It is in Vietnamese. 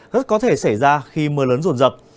rất có thể xảy ra khi mưa lớn ruột giật